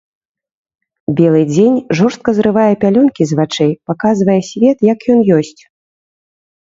Белы дзень жорстка зрывае пялёнкі з вачэй, паказвае свет, як ён ёсць.